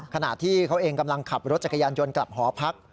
ขณะที่เขาเองกำลังขับรถจักรยานยนต์กลับหอพัก